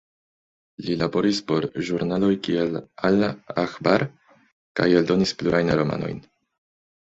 Li laboris por ĵurnaloj kiel Al-Akhbar kaj eldonis plurajn romanojn.